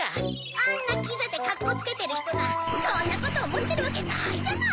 あんなキザでカッコつけてるひとがそんなことおもってるわけないじゃない！